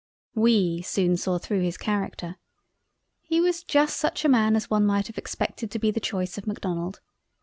We soon saw through his character. He was just such a Man as one might have expected to be the choice of Macdonald.